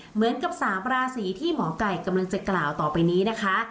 เหมือนกับ๓ราศีที่หมอไก่กำลังจะกล่าวต่อไปนี้นะคะ